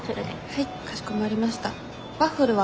はい。